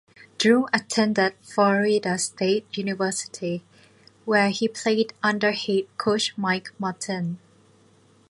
Drew attended Florida State University, where he played under head coach Mike Martin.